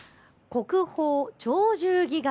国宝鳥獣戯画。